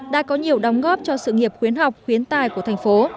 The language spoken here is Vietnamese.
đã có nhiều đóng góp cho sự nghiệp khuyến học khuyến tài của tp cnh